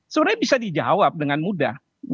sebenarnya bisa dijawab dengan mudah